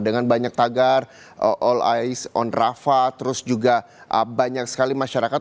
dengan banyak tagar all ice on rafa terus juga banyak sekali masyarakat